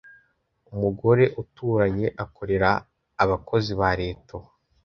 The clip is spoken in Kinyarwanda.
Umugore uturanye akorera abakozi ba Leta ubu.